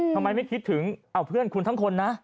ทำไมไม่คิดถึงเอาเพื่อนคุณทั้งคนนะ